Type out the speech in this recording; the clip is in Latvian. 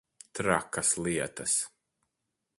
Trakas lietas.